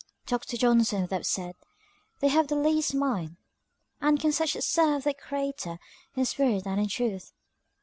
Dr. Johnson would have said, "They have the least mind.". And can such serve their Creator in spirit and in truth?